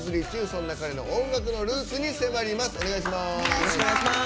そんな彼の音楽のルーツに迫ります。